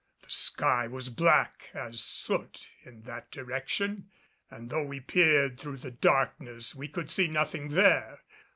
The sky was black as soot in that direction, and though we peered through the darkness we could see nothing there.